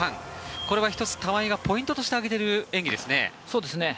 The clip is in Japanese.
これは１つ玉井がポイントとして挙げている演技ですね。